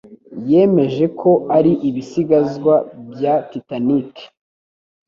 Yemeje ko ari ibisigazwa bya Titanic.